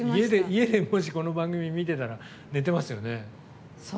家でもしこの番組見てたら寝てますよね。